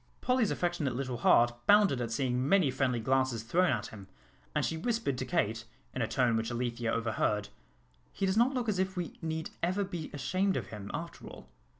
Polly's affectionate little heart bounded at seeing many friendly glances thrown at him, and she whispered to Kate, in a tone which Alethea overheard, "He does not look as if we need ever be ashamed of him, after all."